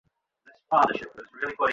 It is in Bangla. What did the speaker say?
কুমু আজ সারাদিন দাদার কাছে আসেই নি।